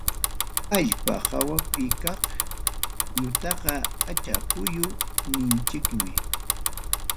Allpa hawapi kaq puyutaqa pacha puyu ninchikmi.